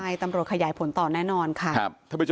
ใช่ตำรวจขยายผลต่อแน่นอนค่ะ